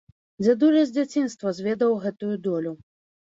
Дзядуля з дзяцінства зведаў гэтую долю.